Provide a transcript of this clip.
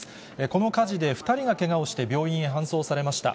この火事で２人がけがをして病院へ搬送されました。